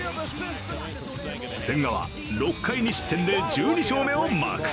千賀は６回２失点で１２勝目をマーク。